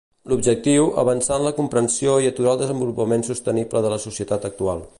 L'objectiu, avançar en la comprensió i aturar el desenvolupament sostenible de la societat actual.